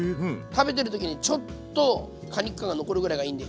食べてる時にちょっと果肉感が残るぐらいがいいんで。